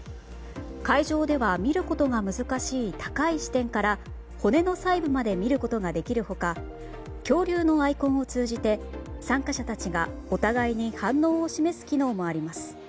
会場では見ることが難しい高い視点から骨の細部まで見ることができる他恐竜のアイコンを通じて参加者たちが、お互いに反応を示す機能もあります。